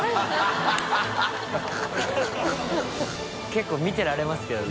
結構見てられますけどね。